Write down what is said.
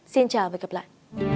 xin chào và hẹn gặp lại